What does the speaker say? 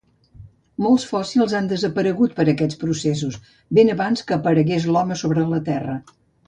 Molts fòssils han desaparegut per aquests processos ben abans que aparegués l'home sobre la terra.